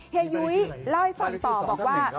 เยยุ้ยเล่าให้ฟังต่อบอกว่า